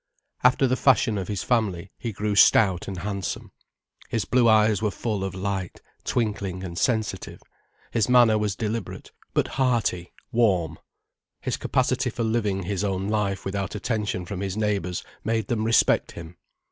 After the fashion of his family, he grew stout and handsome. His blue eyes were full of light, twinkling and sensitive, his manner was deliberate, but hearty, warm. His capacity for living his own life without attention from his neighbours made them respect him.